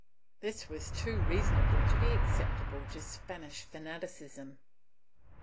^ This was too reasonable to be acceptable to Spanish fanaticism.